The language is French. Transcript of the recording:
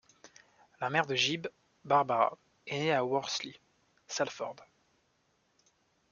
La mère de Gibb, Barbara, est née à Worsley, Salford.